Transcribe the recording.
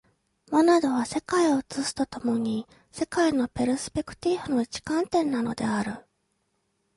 モナドは世界を映すと共に、世界のペルスペクティーフの一観点なのである。